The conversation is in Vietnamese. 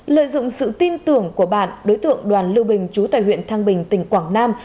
lợi dụng sự tin tưởng của bạn đối tượng đoàn lưu bình trú tại huyện thang bình tỉnh quảng nam